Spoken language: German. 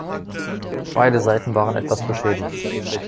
Beide Seiten waren etwas beschädigt.